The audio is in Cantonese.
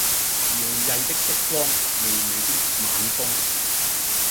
搖曳的燭光、微微的晚風